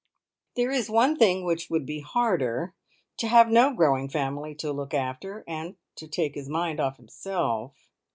"There is one thing which would be harder! To have no growing family to look after, and to take his mind off himself."